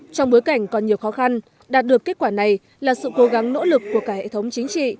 trong bối cảnh còn nhiều khó khăn đạt được kết quả này là sự cố gắng nỗ lực của cả hệ thống chính trị